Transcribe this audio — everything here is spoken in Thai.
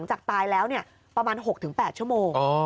จากตายแล้วประมาณ๖๘ชั่วโมง